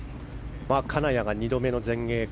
金谷が２度目の全英。